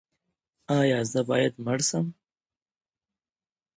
ایا زه باید مړ شم؟